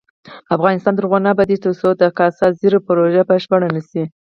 افغانستان تر هغو نه ابادیږي، ترڅو د کاسا زر پروژه بشپړه نشي.